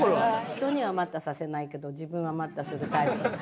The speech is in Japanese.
人には「待った」させないけど自分は「待った」するタイプ。